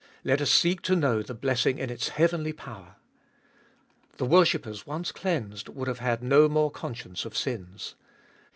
Let us seek to know the blessing in its heavenly power. The worshippers once cleansed would have had no more conscience of sins.